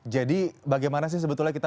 jadi bagaimana sih sebetulnya kita